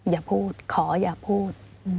อย่าพูดขออย่าพูด